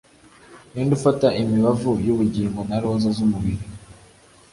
Ninde ufata imibavu yubugingo na roza zumubiri